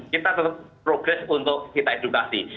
kita tetap progres untuk kita edukasi